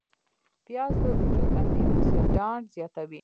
پیاز د وجود انتي اوکسیدانت زیاتوي